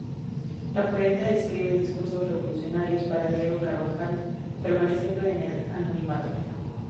La poeta escribe discursos revolucionarios para Diego Carvajal, permaneciendo en el anonimato.